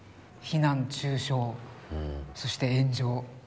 非難中傷そして炎上。